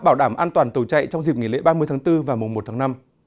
bảo đảm an toàn tàu chạy trong dịp nghỉ lễ ba mươi tháng bốn và mùa một tháng năm